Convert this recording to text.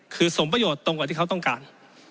คือสมประโยชน์ตรงกว่าที่เขาต้องการ